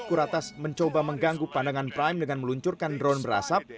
kuratas mencoba mengganggu pandangan prime dengan meluncurkan drone berasap